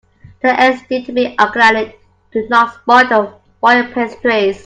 The eggs need to be organic to not spoil the royal pastries.